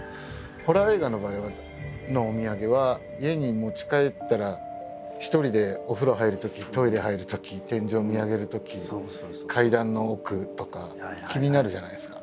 ホラー映画の場合のお土産は家に持ち帰ったら一人でお風呂入るときトイレ入るとき天井見上げるとき階段の奥とか気になるじゃないですか。